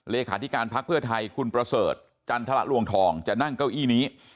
เลขาธิการพักเพื่อไทยคุณประเสริฐจันทรลวงทองจะนั่งเก้าอี้นี้